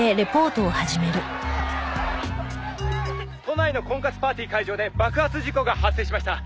「都内の婚活パーティー会場で爆発事故が発生しました」